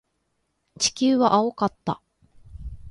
地球は青かった。